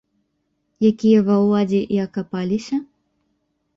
Якія ва ўладзе і акапаліся?